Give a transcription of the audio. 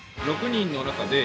６人の中で。